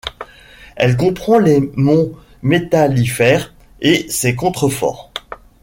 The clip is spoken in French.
Elle comprend les monts métallifères et ses contreforts.